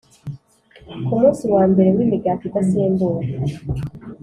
Ku munsi wa mbere w imigati idasembuwe